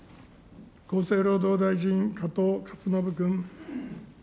厚生労働大臣、加藤勝信君。